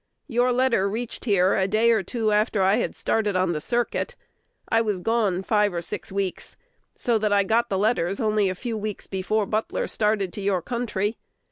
Your letter reached here a day or two after I had started on the circuit. I was gone five or six weeks, so that I got the letters only a few weeks before Butler started to your country.